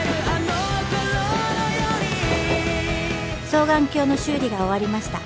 「双眼鏡の修理が終わりました」